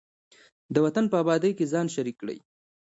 د وطن په ابادۍ کې ځان شریک کړئ.